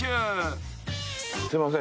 すいません。